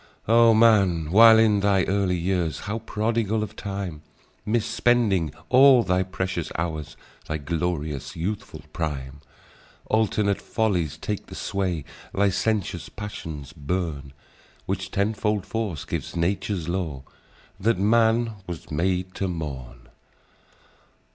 "O man! while in thy early years, How prodigal of time! Mis spending all thy precious hours— Thy glorious, youthful prime! Alternate follies take the sway; Licentious passions burn; Which tenfold force gives Nature's law. That man was made to mourn.